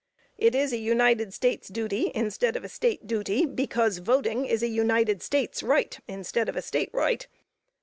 It is an United States duty instead of a State duty, because voting is an United States right instead of a State right.